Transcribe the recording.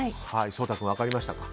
翔太君、分かりましたかね。